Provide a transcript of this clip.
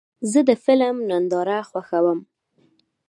زه د فلم ننداره خوښوم.